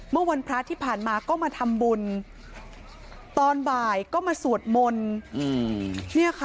เมื่อวันพระที่ผ่านมาก็มาทำบุญตอนบ่ายก็มาสวดมนต์